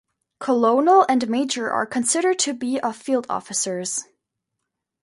Colonel and Major are considered to be of Field Officers.